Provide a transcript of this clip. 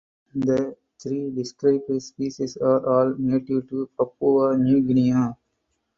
The three described species are all native to Papua New Guinea.